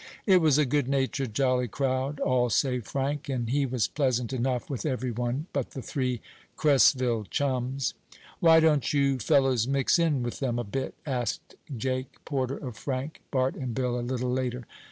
It was a good natured, jolly crowd, all save Frank, and he was pleasant enough with every one but the three Cresville chums. "Why don't you fellows mix in with them a bit?" asked Jake Porter of Frank, Bart and Bill a little later.